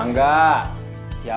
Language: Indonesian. kita harus bekerja